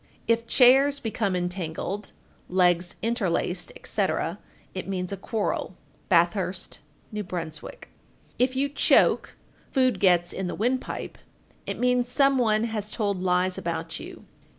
1444. If chairs become entangled (legs interlaced, etc.), it means a quarrel. Bathurst, N.B. 1445. If you choke (food gets in the windpipe), it means some one has told lies about you.